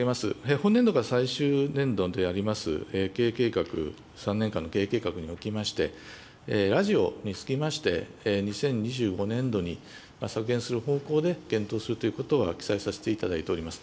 本年度が最終年度であります経営計画、３年間の経営計画におきまして、ラジオにつきまして、２０２５年度に削減する方向で検討するということは、記載させていただいております。